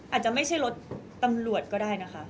อาจจะไม่ใช่รถตำรวจก็ได้นะคะ